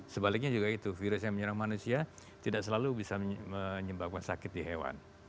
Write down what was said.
sebaliknya juga itu virus yang menyerang manusia tidak selalu bisa menyebabkan sakit di hewan